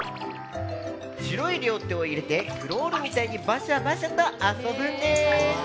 白い両手を入れてクロールみたいにバシャバシャと遊ぶんです。